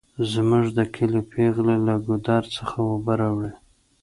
زمونږ د کلي پیغلې له ګودر څخه اوبه راوړي